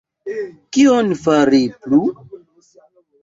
Kion fari plu?